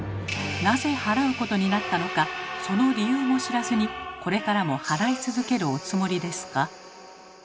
なぜ払うことになったのかその理由も知らずにこれからも払い続けるおつもりですか？